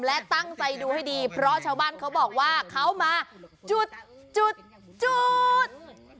และตั้งใจดูให้ดีเพราะชาวบ้านเขาบอกว่าเขามาจุดจุด